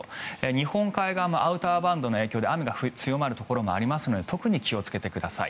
日本海側もアウターバンドの影響で雨が強まるところもありますので特に気をつけてください。